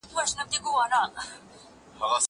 زه به اوږده موده مړۍ خوړلي وم!